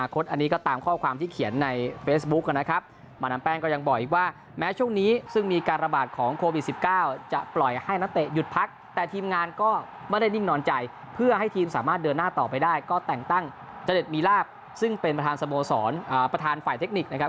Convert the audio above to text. ก็แต่งตั้งเจรดมีราบซึ่งเป็นประธานสโบสรอ่าประธานฝ่ายเทคนิคนะครับ